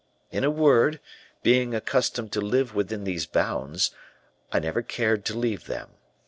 In a word, being accustomed to live within these bounds, I never cared to leave them.